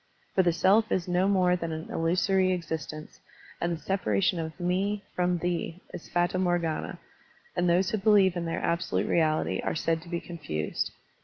For the self is no more than an illusory existence, and the separation of "me" from "thee" is fata morgana, and those who believe in their absolute reality are said to be confused.